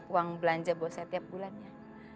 uang belanja buat saya tiap bulannya